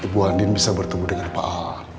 bu handin bisa bertemu dengan pak al